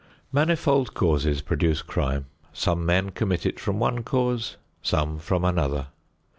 Manifold causes produce crime; some men commit it from one cause: some from another.